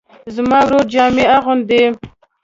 زما ورور جامې اغوندي